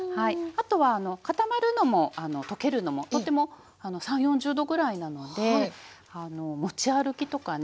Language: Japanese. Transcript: あとは固まるのも溶けるのもとっても３０４０℃ぐらいなのであの持ち歩きとかね。